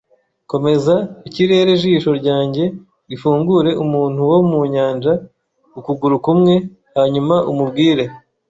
komeza "ikirere-jisho ryanjye rifungure umuntu wo mu nyanja ukuguru kumwe" hanyuma umubwire